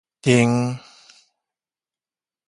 橂